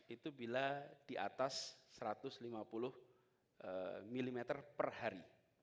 itu bila di atas satu ratus lima puluh mm per hari